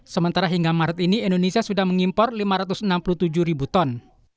sementara hingga maret ini indonesia sudah mengimpor lima ratus enam puluh tujuh ribu ton